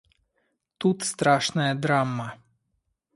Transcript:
Тут страшная драма.